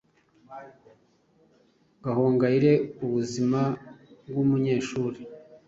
Gahongayire: Ubuzima bw’umunyeshuri